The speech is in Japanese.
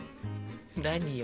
何よ？